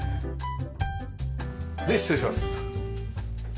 失礼します。